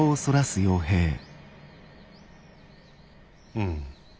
うん。